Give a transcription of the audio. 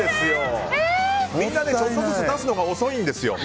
みんなちょっとずつ出すのが遅いんですよ。